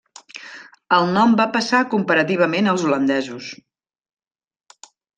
El nom va passar comparativament als holandesos.